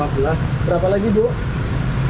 lima belas berapa lagi duk